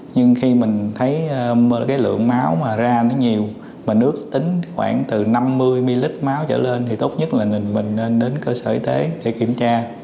nhưng khi mình thấy lượng máu ra nhiều mình ước tính khoảng từ năm mươi ml máu trở lên thì tốt nhất là mình nên đến cơ sở y tế để kiểm tra